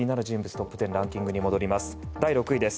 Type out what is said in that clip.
トップ１０ランキングに戻ります。